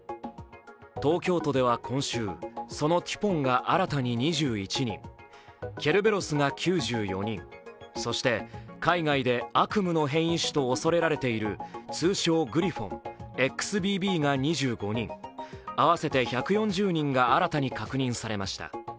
東京都では今週、そのテュポンが新たに２１人、ケルベロスが９４人、そして海外で悪夢の変異種と恐れられている通称グリフォン、ＸＢＢが２５人、合わせて１４０人が新たに確認されました。